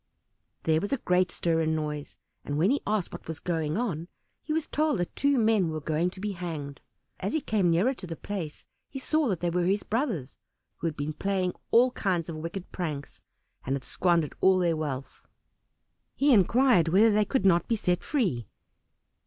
There was a great stir and noise, and, when he asked what was going on, he was told that two men were going to be hanged. As he came nearer to the place he saw that they were his brothers, who had been playing all kinds of wicked pranks, and had squandered all their wealth. He inquired whether they could not be set free.